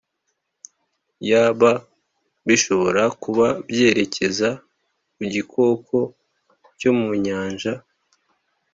Yb Bishobora kuba byerekeza ku gikoko cyo mu nyanja